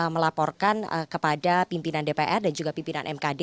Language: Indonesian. melaporkan kepada pimpinan dpr dan juga pimpinan mkd